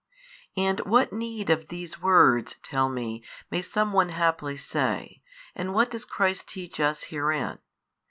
And what need of these words (tell me) may some one haply say, and what does Christ teach us herein?